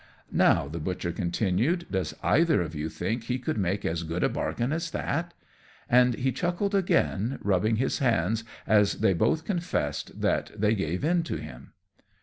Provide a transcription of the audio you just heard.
"Now," the Butcher continued, "does either of you think he could make as good a bargain as that?" And he chuckled, again rubbing his hands, as they both confessed that they gave in to him.